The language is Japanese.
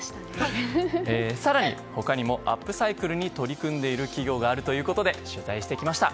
更に、他にもアップサイクルに取り組んでいる企業があるということで取材してきました。